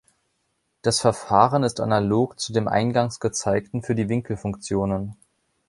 Das Verfahren ist analog zu dem eingangs gezeigten für die Winkelfunktionen.